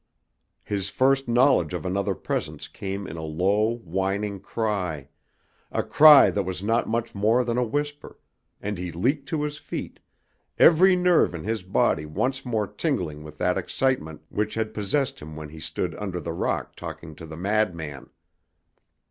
His first knowledge of another presence came in a low, whining cry, a cry that was not much more than a whisper, and he leaped to his feet, every nerve in his body once more tingling with that excitement which had possessed him when he stood under the rock talking to the madman.